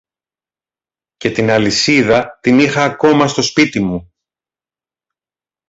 και την αλυσίδα την είχα ακόμα στο σπίτι μου.